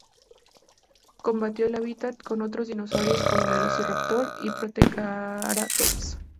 Compartió el hábitat con otros dinosaurios como "Velociraptor" y "Protoceratops".